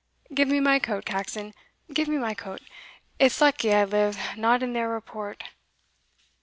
Give me my coat, Caxon give me my coat; it's lucky I live not in their report.